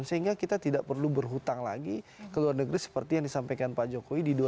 sehingga kita tidak perlu berhutang lagi ke luar negeri seperti yang disampaikan pak jokowi di dua ribu dua puluh